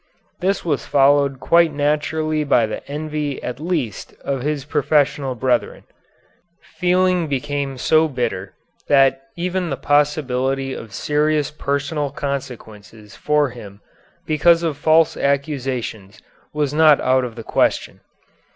This was followed quite naturally by the envy at least of his professional brethren. Feeling became so bitter, that even the possibility of serious personal consequences for him because of false accusations was not out of the question.